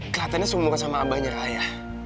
kelatannya seumur sama abahnya raya